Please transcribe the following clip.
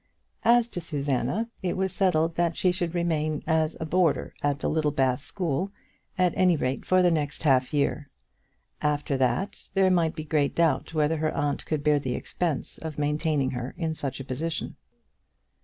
As to Susanna, it was settled that she should remain as a boarder at the Littlebath school, at any rate for the next half year. After that there might be great doubt whether her aunt could bear the expense of maintaining her in such a position.